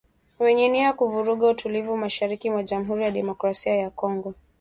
wenye nia ya kuvuruga utulivu mashariki mwa Jamuhuri ya demokrasia ya Kongo